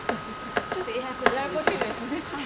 ちょっとややこしいですね。